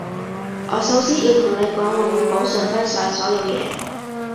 我首先要同你講，我會補償返晒所有嘢